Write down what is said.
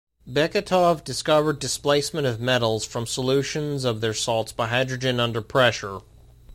Beketov discovered displacement of metals from solutions of their salts by hydrogen under pressure.